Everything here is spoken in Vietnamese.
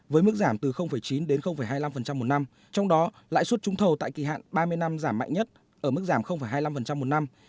với mức giảm từ chín đến hai mươi năm một năm trong đó lãi suất trúng thầu tại kỳ hạn ba mươi năm giảm mạnh nhất ở mức giảm hai mươi năm một năm